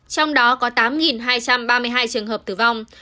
trong đó có tám hai trăm ba mươi hai trường hợp tử vong